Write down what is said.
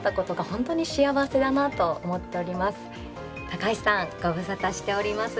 高橋さんご無沙汰しております。